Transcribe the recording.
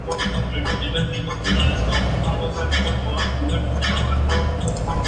Se trata de un núcleo tradicional.